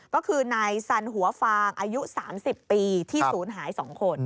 ก็คือนายสันหัวฟางอายุ๓๐ปีที่ศูนย์หาย๒คน